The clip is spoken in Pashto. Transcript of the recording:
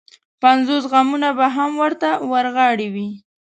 پنځوس غمونه به هم ورته ورغاړې وي.